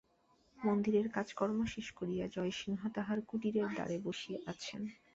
মন্দিরেরর কাজকর্ম শেষ করিয়া জয়সিংহ তাঁহার কুটিরের দ্বারে বসিয়া আছেন।